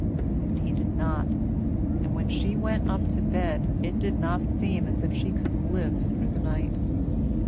But he did not; and when she went up to bed, it did not seem as if she could live through the night.